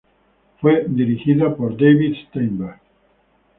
Fue dirigida por David Steinberg.